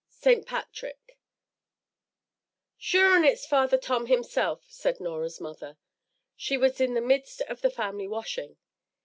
ST. PATRICK "SURE and it's Father Tom himself," said Norah's mother. She was in the midst of the family washing.